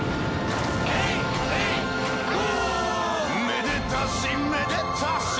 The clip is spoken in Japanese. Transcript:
「めでたしめでたし！」